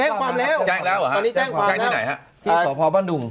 แจ้งความแล้วตอนนี้แจ้งความแล้วที่ศพบ้านดุง